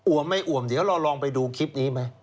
วมไม่อ่วมเดี๋ยวเราลองไปดูคลิปนี้ไหม